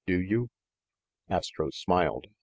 Do you ?" Astro smiled.